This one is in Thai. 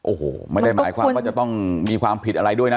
โอ้โหไม่ได้หมายความว่าจะต้องมีความผิดอะไรด้วยนะ